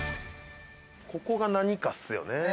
ここが何かですよね。